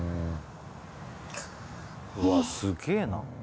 うわあすげえな。